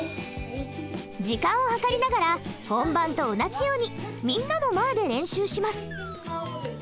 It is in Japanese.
時間を計りながら本番と同じようにみんなの前で練習します。